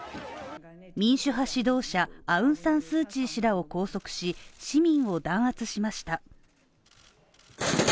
民主派指導者アウン・サン・スー・チー氏らを拘束し市民を弾圧しました。